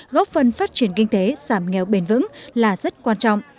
góp phần phát triển kinh tế giảm nghèo bền vững là rất quan trọng